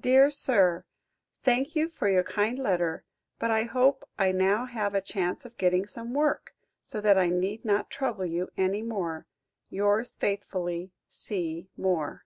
"DEAR SIR, "Thank you for your kind letter, but I hope I now have a chance of getting some work, so that I need not trouble you any more. "Yours faithfully, "C. MOORE."